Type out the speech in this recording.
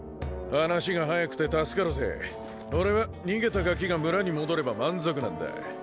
話が早くて助かるぜ俺は逃げたガキが村に戻れば満足なんだ